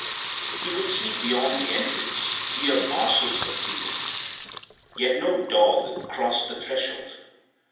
He could see beyond the entrance dear masses of people, yet no dog crossed the threshold.